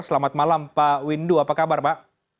selamat malam pak windu apa kabar pak